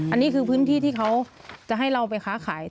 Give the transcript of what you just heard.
อันนี้คือพื้นที่ที่เขาจะให้เราไปค้าขาย